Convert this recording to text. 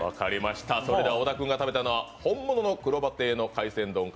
それでは小田君が食べたのは本物のくろば亭の海鮮丼か